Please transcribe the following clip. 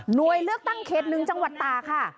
หน่วยเลือกตั้งเคสหนึ่งจังหวัดตาค่ะ